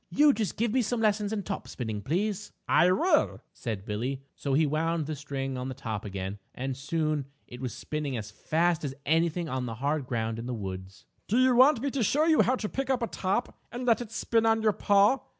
You just give me some lessons in top spinning, please." "I will," said Billie. So he wound the string on the top again and soon it was spinning as fast as anything on the hard ground in the woods. "Do you want me to show you how to pick up a top, and let it spin on your paw?"